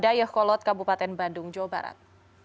dari dayakolot kabupaten bandung jawa barat